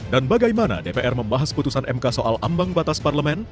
dan bagaimana dpr membahas putusan mk soal ambang batas parlemen